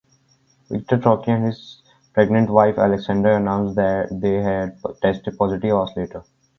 Viktor Troicki and his pregnant wife Aleksandra announced they had tested positive hours later.